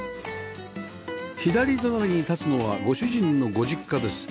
左側に立つのはご主人のご実家です